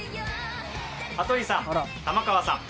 羽鳥さん、玉川さん！